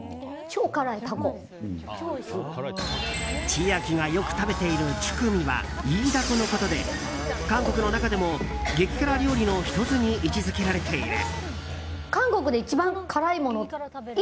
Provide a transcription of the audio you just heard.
千秋がよく食べているチュクミは、イイダコのことで韓国の中でも激辛料理の１つに位置づけられている。